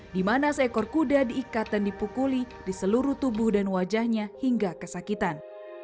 di mana seekor kuda diikat dan dipukuli di seluruh tubuh dan wajahnya hingga kesakitan